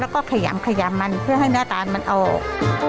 แล้วก็ขยามมันเพื่อให้เนื้อตาลมันออก